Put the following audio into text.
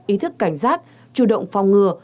ý thức cảnh giác chủ động phòng ngừa